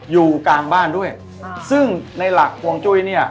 อยู่กลางบ้านด้วยซึ่งในหลักฮวงจุ้ยเนี่ย